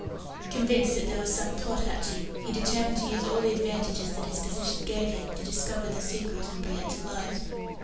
Convinced that there was some plot hatching, he determined to use all the advantages that his position gave him to discover the secret and bring it to light.